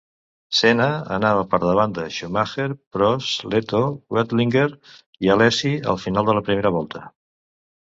Senna anava per davant de Schumacher, Prost, Lehto, Wendlinger i Alesi al final de la primera volta.